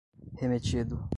remetido